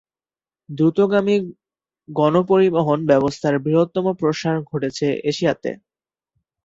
দ্রুতগামী গণপরিবহন ব্যবস্থার বৃহত্তম প্রসার ঘটেছে এশিয়াতে।